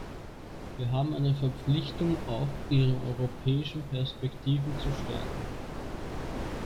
Wir haben eine Verpflichtung, auch ihre europäischen Perspektiven zu stärken.